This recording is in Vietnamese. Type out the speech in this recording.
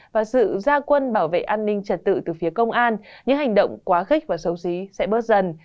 và sự gia quân bảo vệ an ninh trật tự từ phía công an những hành động quá khích và xấu xí sẽ bớt dần